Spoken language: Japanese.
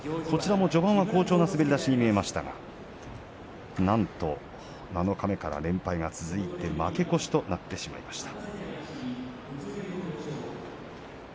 序盤、好調な滑り出しに見えましたがなんと七日目から連敗が続いて負け越しとなってしまいました。